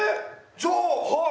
じゃあはい！